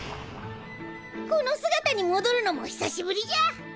この姿に戻るのも久しぶりじゃ。